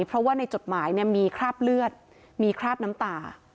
เพราะว่าในจดหมายมีคราบเลือดมีคราบน้ำตา